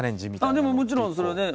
でももちろんそれはね